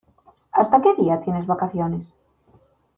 ¿Hasta qué día tienes vacaciones?